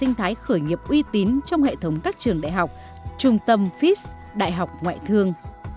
hệ sinh thái khởi nghiệp uy tín trong hệ thống các trường đại học trung tâm fis đại học ngoại thương